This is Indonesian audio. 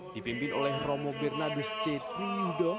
dipimpin oleh romo bernadus c priyudo